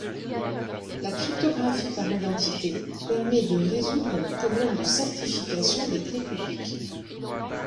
La cryptographie par identité permet de résoudre le problème de certification des clefs publiques.